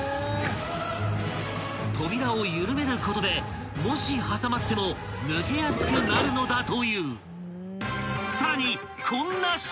［扉を緩めることでもし挟まっても抜けやすくなるのだという］